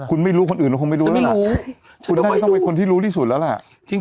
คุณไม่รู้คนอื่นก็คงไม่รู้แล้วล่ะคุณต้องเป็นคนที่รู้ที่สุดแล้วแหละ